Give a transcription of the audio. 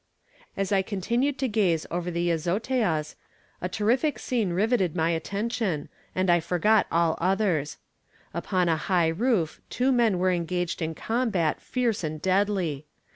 As I continued to gaze over the azoteas a terrific scene riveted my attention, and I forgot all others. Upon a high roof two men were engaged in combat fierce and deadly.